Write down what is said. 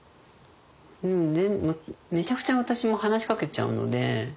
めちゃくちゃ私も話しかけちゃうので。